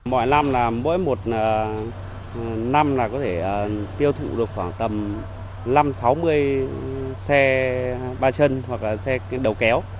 mọi năm là mỗi một năm là có thể tiêu thụ được khoảng tầm năm sáu mươi xe ba chân hoặc là xe đầu kéo